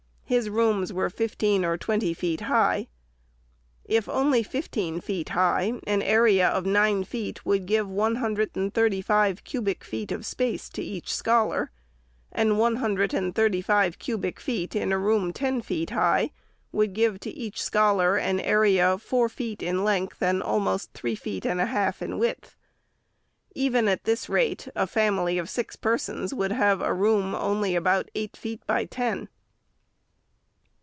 His rooms were fifteen or twenty feet high. If only fifteen feet high, an area of nine feet would give one hundred and thirty five cubic feet of space to each scholar; and one hundred and thirty five cubic feet in a room ten feet high would give to each scholar an area four feet in length and almost three feet and a half in width. Even at this rate, a family of six persons would have a room only about eight feet by ten.